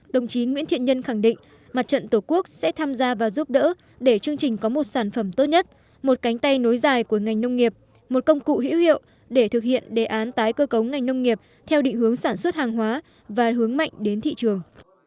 đồng chí nguyễn thiện nhân khẳng định mặt trận tổ quốc sẽ tham gia và giúp đỡ để chương trình có một sản phẩm tốt nhất một cánh tay nối dài của ngành nông nghiệp một công cụ hữu hiệu để thực hiện đề án tái cơ cấu ngành nông nghiệp theo định hướng sản xuất hàng hóa và hướng mạnh đến thị trường